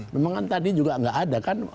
memang kan tadi juga nggak ada kan